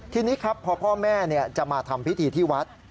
ทีนี้ครับพอพ่อแม่จะมาทำพิธีที่วัด